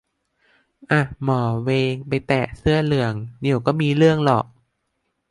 อ่ะ หมอเหวงไปแตะเสื้อเหลือง เดี๋ยวก็มีเรื่องหรอก